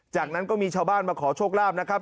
จากนั้นก็มีชาวบ้านมาขอโชคลาภนะครับ